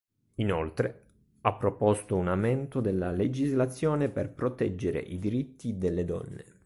Inoltre, ha proposto un aumento della legislazione per proteggere i diritti delle donne